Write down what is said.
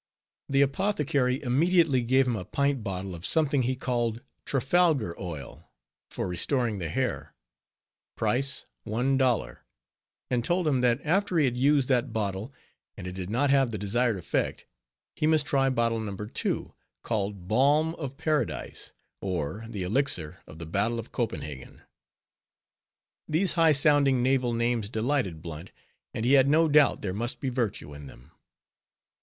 The apothecary immediately gave him a pint bottle of something he called "Trafalgar Oil for restoring the hair," price one dollar; and told him that after he had used that bottle, and it did not have the desired effect, he must try bottle No. 2, called "Balm of Paradise, or the Elixir of the Battle of Copenhagen." These high sounding naval names delighted Blunt, and he had no doubt there must be virtue in them.